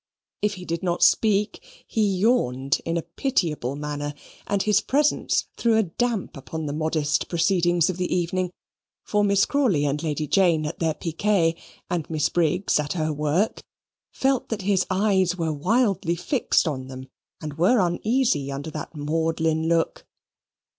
If he did not speak he yawned in a pitiable manner, and his presence threw a damp upon the modest proceedings of the evening, for Miss Crawley and Lady Jane at their piquet, and Miss Briggs at her work, felt that his eyes were wildly fixed on them, and were uneasy under that maudlin look.